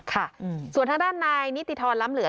ค่ะส่วนทางด้านนายนิติธรรมล้ำเหลือ